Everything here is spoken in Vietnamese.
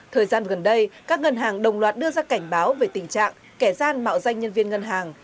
thời gian gần đây các ngân hàng đồng loạt đưa ra cảnh báo về tình trạng kẻ gian mạo danh nhân viên ngân hàng